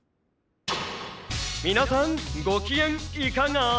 「みなさんごきげんイカが？